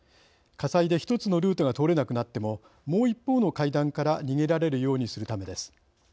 火災で１つのルートが通れなくなってももう一方の階段から逃げられるようにするためです。